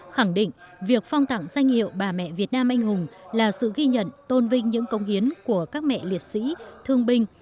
khẳng định việc phong tặng danh hiệu bà mẹ việt nam anh hùng là sự ghi nhận tôn vinh những công hiến của các mẹ liệt sĩ thương binh